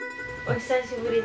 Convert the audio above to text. お久しぶり。